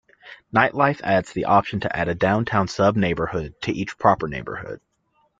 "Nightlife" adds the option to add a "downtown" sub-neighborhood to each proper neighborhood.